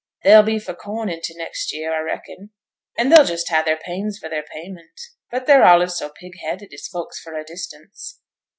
They'll be for corn in t' next year, a reckon, and they'll just ha' their pains for their payment. But they're allays so pig headed, is folk fra' a distance.'